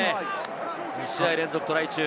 ２試合連続トライ中。